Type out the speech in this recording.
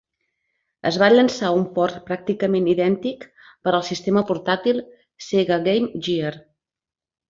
Es va llençar un port pràcticament idèntic per al sistema portàtil Sega Game Gear.